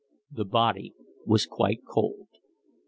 The body was quite cold.